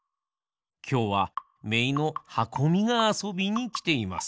きょうはめいのはこみがあそびにきています。